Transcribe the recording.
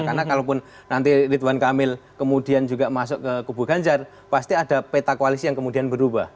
karena kalau ridwan kamil kemudian masuk ke kubu ganjar pasti ada peta koalisi yang kemudian berubah